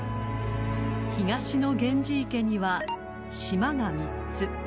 ［東の源氏池には島が３つ］